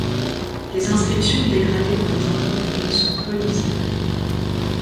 Les inscriptions dégradées par les intempéries sont peu lisibles.